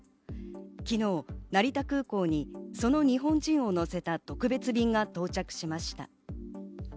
昨日、成田空港にその日本人を乗せた特別便が到着しました。